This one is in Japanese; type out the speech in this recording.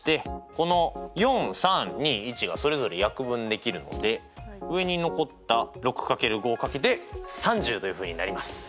この４３２１がそれぞれ約分できるので上に残った６×５で３０というふうになります。